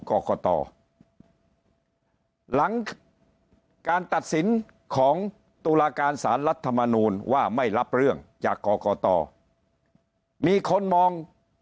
กรกตหลังการตัดสินของตุลาการสารรัฐมนูลว่าไม่รับเรื่องจากกรกตมีคนมอง